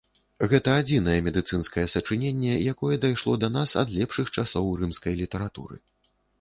Гэта адзінае медыцынскае сачыненне, якое дайшло да нас ад лепшых часоў рымскай літаратуры.